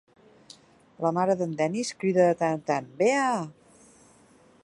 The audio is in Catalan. La mare d'en Dennis crida de tant en tant: Bea!